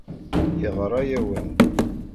Yeɣra-awen-d.